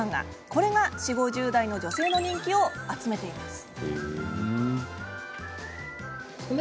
これが、４０代、５０代女性の人気を集めています。